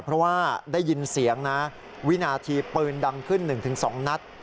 เพราะว่าได้ยินเสียงนะวินาทีปืนดังขึ้น๑๒นัด